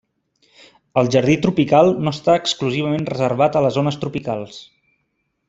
El jardí tropical no està exclusivament reservat a les zones tropicals.